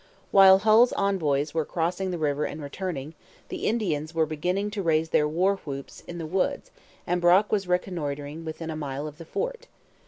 While Hull's envoys were crossing the river and returning, the Indians were beginning to raise their war whoops in the woods and Brock was reconnoitring within a mile of the fort.